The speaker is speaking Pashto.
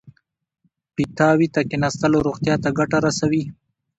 پیتاوي ته کېناستل روغتیا ته ګټه رسوي.